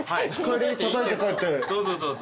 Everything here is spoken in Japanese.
どうぞどうぞ。